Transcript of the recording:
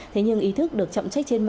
thế nhưng ý thức được chậm trách trên vai